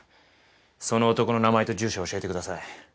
その男の名前と住所教えてください。